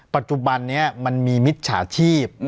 ปัจจุบันนี้มันมีมิจฉาชีพ